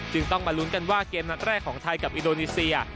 จึงต้องมาลุ้นกันว่าเกมนัดแรกของไทยกับอินโดนีเซีย